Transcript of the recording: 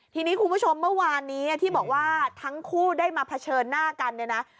ทีนี้คุณผู้ชมเมื่อวานนี้ที่บอกว่าทั้งคู่ได้มาเผชิญหน้ากันเนี่ยนะ